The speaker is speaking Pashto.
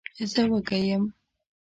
زه وږی یم.